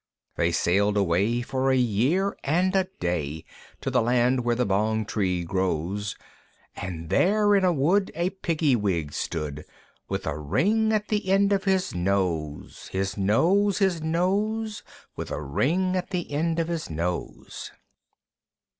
They sailed away for a year and a day, To the land where the Bong tree grows, And there in a wood a Piggy wig stood, With a ring at the end of his nose. His nose, His nose, With a ring at the end of his nose.